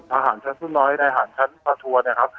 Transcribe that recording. อาหารชั้นน้อยอาหารชั้นประทัวร์